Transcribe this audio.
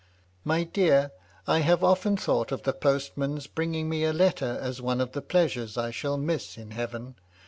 My dear, I have often thought of the postman's bringing me a letter as one of the pleasures I shall miss in heaven.